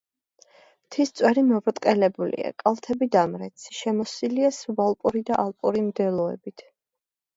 მთის წვერი მობრტყელებულია, კალთები დამრეცი, შემოსილია სუბალპური და ალპური მდელოებით.